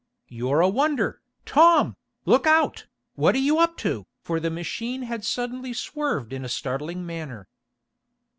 You're a wonder, Tom! Look out! What are you up to?" for the machine had suddenly swerved in a startling manner.